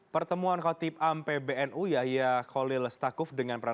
pertemuan khotib ampe bnu yahya khalil stakuf dengan presiden